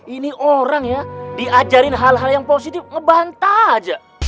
ini orang ya diajarin hal hal yang positif ngebantah aja